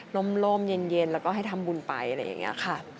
ลมเย็นแล้วก็ให้ทำบุญไปอะไรอย่างนี้ค่ะ